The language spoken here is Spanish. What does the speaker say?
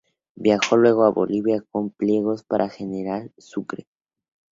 Viajó luego a Bolivia, con pliegos para el general Sucre.